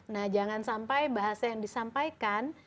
nah jangan sampai bahasa yang disampaikan